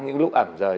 những lúc ẩm rời